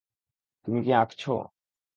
তুমি কি আঁকছো?